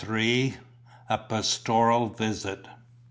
A PASTORAL VISIT.